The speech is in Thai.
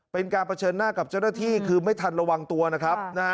เป็นการเผชิญหน้ากับเจ้าหน้าที่คือไม่ทันระวังตัวนะครับ